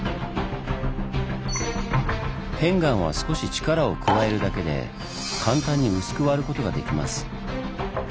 片岩は少し力を加えるだけで簡単に薄く割ることができます。